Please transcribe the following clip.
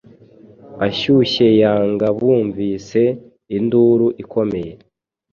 Ashyushyeyangabumvise induru ikomeye